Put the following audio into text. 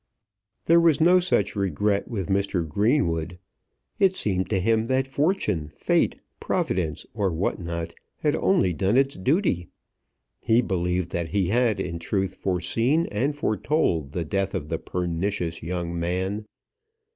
There was no such regret with Mr. Greenwood. It seemed to him that Fortune, Fate, Providence, or what not, had only done its duty. He believed that he had in truth foreseen and foretold the death of the pernicious young man.